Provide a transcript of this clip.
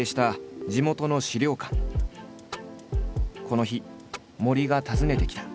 この日森が訪ねてきた。